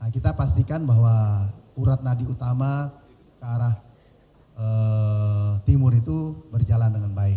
kita pastikan bahwa urat nadi utama ke arah timur itu berjalan dengan baik